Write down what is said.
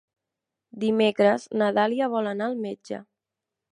Dimecres na Dàlia vol anar al metge.